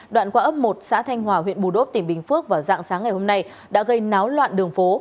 đoạn qua ấp một xã thanh hòa huyện bù đốp tỉnh bình phước vào dạng sáng ngày hôm nay đã gây náo loạn đường phố